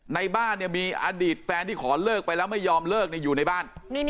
ในบ้านมีอดีตแฟนที่ขอเลิกไปแล้วไม่ยอมเลิกอยู่ในบ้าน